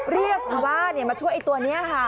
เรียกชาวบ้านมาช่วยไอ้ตัวนี้ค่ะ